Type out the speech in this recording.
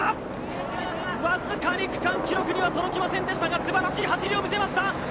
わずかに区間記録には届きませんでしたが素晴らしい走りを見せました。